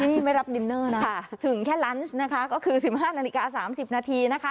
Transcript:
ที่นี่ไม่รับดินเนอร์น่ะค่ะถึงแค่ลันช์นะคะก็คือสิบห้านาฬิกาสามสิบนาทีนะคะ